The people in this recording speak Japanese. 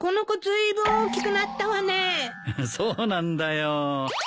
そうなんだよ。